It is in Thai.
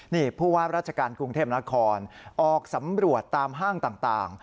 นี่ผู้ว่าราชการกรุงเทพนครออกสำรวจตามห้างต่าง